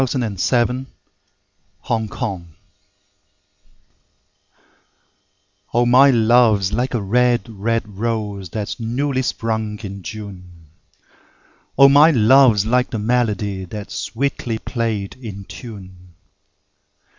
Y Z A Red, Red Rose O MY Luve's like a red, red rose That's newly sprung in June: O my Luve's like the melodie That's sweetly play'd in tune!